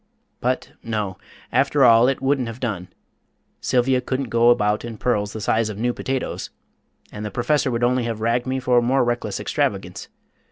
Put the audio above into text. But no, after all, it wouldn't have done. Sylvia couldn't go about in pearls the size of new potatoes, and the Professor would only have ragged me for more reckless extravagance.